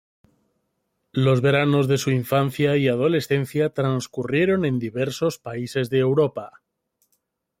Los veranos de su infancia y adolescencia transcurrieron en diversos países de Europa.